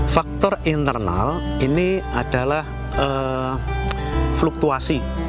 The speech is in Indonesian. faktor internal ini adalah fluktuasi